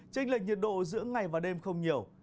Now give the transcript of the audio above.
tranh lệch nhiệt độ giữa ngày và đêm không nhiều